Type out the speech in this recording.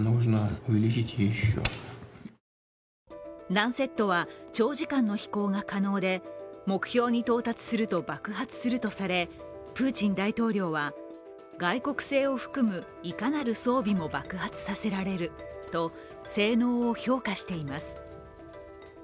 ランセットは、長時間の飛行が可能で、目標に到達すると爆発するとされプーチン大統領は、外国製を含むいかなる装備も爆発させられると性能を評価しています。